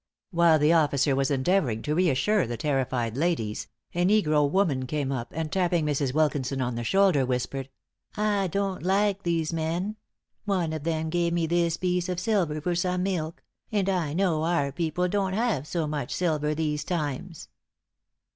While the officer was endeavoring to re assure the terrified ladies, a negro woman came up, and tapping Mrs. Wilkinson on the shoulder, whispered, "I don't like these men; one of them gave me this piece of silver for some milk; and I know our people don't have so much silver these times."